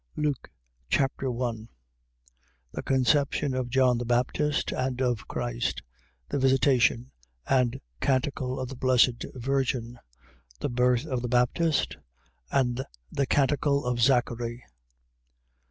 Luke Chapter 1 The conception of John the Baptist, and of Christ. The visitation and canticle of the Blessed Virgin. The birth of the Baptist and the canticle of Zachary.